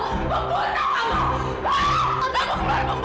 gara gara bapak kamu